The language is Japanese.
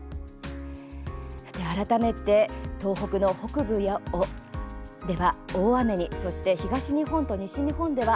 改めて、東北の北部では雨に、そして東日本と西日本では